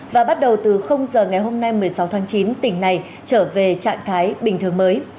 và bắt đầu từ giờ ngày hôm nay một mươi sáu tháng chín tỉnh này trở về trạng thái bình thường mới